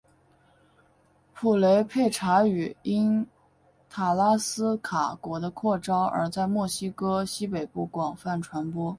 普雷佩查语因塔拉斯卡国的扩张而在墨西哥西北部广泛传播。